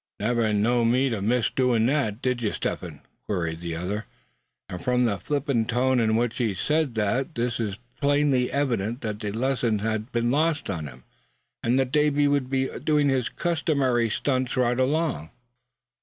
"Never knew me to miss doin' that, did you, Step Hen?" queried the other; and from the flippant tone in which he said this it was plainly evident that the lesson had been lost on him; and that Davy would be doing his customary stunts right along.